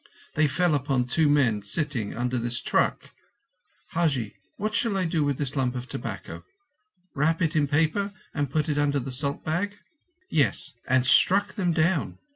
They fell upon two men sitting under this truck—Hajji, what shall I do with this lump of tobacco? Wrap it in paper and put it under the salt bag? Yes—and struck them down.